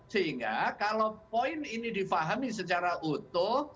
sehingga kalau poin ini difahami secara utuh